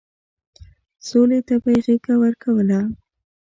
سولې ته به يې غېږه ورکوله.